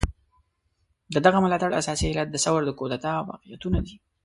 د دغه ملاتړ اساسي علت د ثور د کودتا واقعيتونه دي.